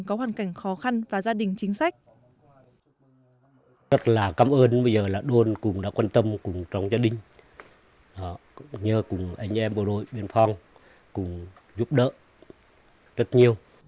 có hoàn cảnh khó khăn và gia đình chính sách